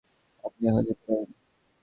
আপনি এখন যেতে পারেন।